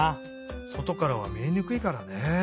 そとからはみえにくいからね。